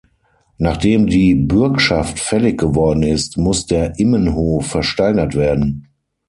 Nachdem die Bürgschaft fällig geworden ist, muss der Immenhof versteigert werden.